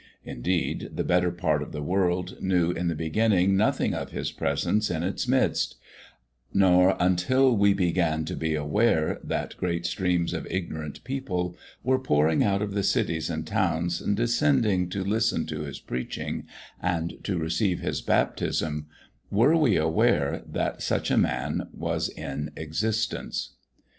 Indeed, the better part of the world knew in the beginning nothing of his presence in its midst; nor until we began to be aware that great streams of ignorant people were pouring out of the cities and towns and descending to listen to his preaching and to receive his baptism, were we aware that such a man was in existence.